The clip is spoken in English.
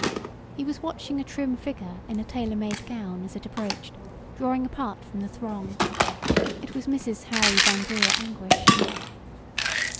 He was watching a trim figure in a tailor made gown as it approached, drawing apart from the throng. It was Mrs. Harry Van Brugh Anguish.